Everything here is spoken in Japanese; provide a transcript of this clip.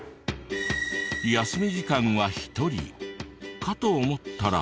休み時間は１人かと思ったら。